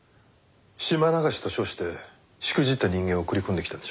島流しと称してしくじった人間を送り込んできたんでしょ？